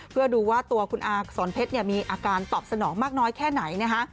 เพื่อดูว่าตัวคุณอาสอนเพชรมีอาการตอบสนองมากน้อยแค่ไหนนะคะ